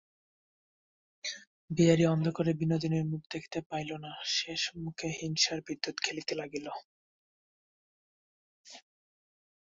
বিহারী অন্ধকারে বিনোদিনীর মুখ দেখিতে পাইল না, সে মুখে হিংসার বিদ্যুৎ খেলিতে লাগিল।